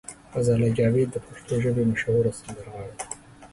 غزاله جاوید د پښتو ژبې مشهوره سندرغاړې ده.